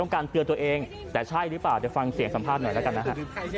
การเตือนตัวเองแต่ใช่หรือเปล่าเดี๋ยวฟังเสียงสัมภาษณ์หน่อยแล้วกันนะฮะ